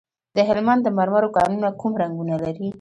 د هلمند د مرمرو کانونه کوم رنګونه لري؟